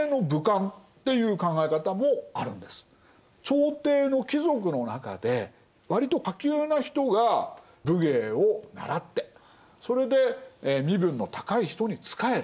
朝廷の貴族の中で割と下級な人が武芸を習ってそれで身分の高い人に仕える。